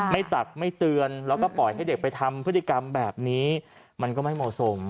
ตักไม่เตือนแล้วก็ปล่อยให้เด็กไปทำพฤติกรรมแบบนี้มันก็ไม่เหมาะสม